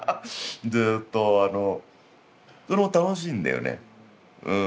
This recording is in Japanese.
ずっとあのそれも楽しいんだよね。